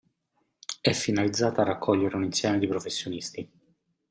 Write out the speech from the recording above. È finalizzata a raccogliere un insieme di professionisti.